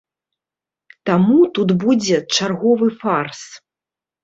Таму тут будзе чарговы фарс.